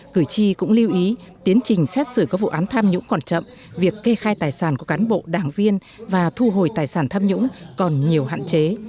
cử tri cũng lưu ý tiến trình xét xử các vụ án tham nhũng còn chậm việc kê khai tài sản của cán bộ đảng viên và thu hồi tài sản tham nhũng còn nhiều hạn chế